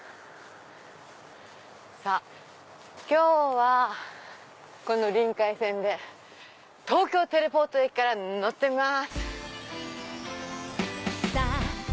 さぁ今日はこのりんかい線で東京テレポート駅から乗ってみます。